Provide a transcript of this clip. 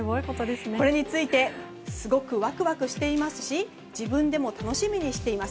これについてすごくワクワクしていますし自分でも楽しみにしています。